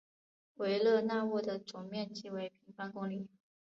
维勒讷沃的总面积为平方公里。